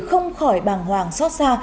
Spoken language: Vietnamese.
không khỏi bàng hoàng xót xa